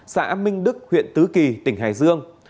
xã minh đức huyện tứ kỳ tỉnh hải dương